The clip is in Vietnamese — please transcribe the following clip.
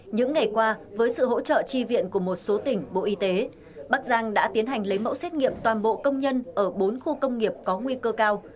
những ngày qua với sự hỗ trợ chi viện của một số tỉnh bộ y tế bắc giang đã tiến hành lấy mẫu xét nghiệm toàn bộ công nhân ở bốn khu công nghiệp có nguy cơ cao